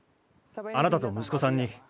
あなたとむす子さんに。